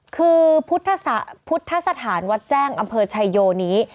คือพุทธสถานวัดแจ้งอำเภอชายโยนี้